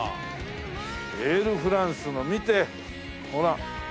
エールフランスの見てほら。